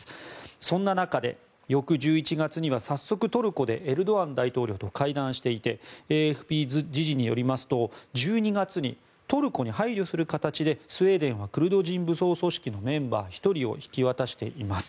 そんな中で翌１１月には早速、トルコでエルドアン大統領と会談していてＡＦＰ時事によりますと１２月にトルコに配慮する形でスウェーデンはクルド人武装組織のメンバー１人を引き渡しています。